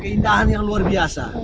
keindahan yang luar biasa